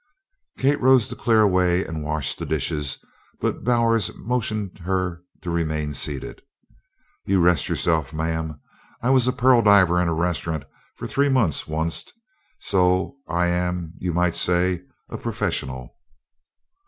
Kate rose to clear away and wash the dishes, but Bowers motioned her to remain seated. "You rest yourself, Ma'am. I was a pearl diver in a restauraw fer three months onct so I am, you might say, a professional."